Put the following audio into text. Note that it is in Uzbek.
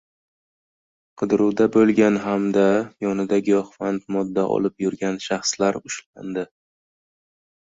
Qidiruvda bo‘lgan hamda yonida giyohvand modda olib yurgan shaxslar ushlandi